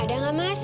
ada gak mas